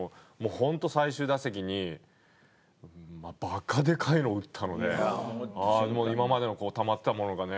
ほんと最終打席にバカでかいの打ったので今までのたまってたものがね